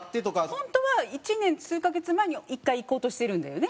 本当は１年数カ月前に１回行こうとしてるんだよね。